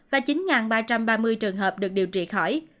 đang ba trăm ba mươi trường hợp được điều trị khỏi